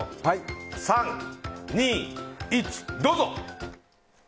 ３、２、１、どうぞ！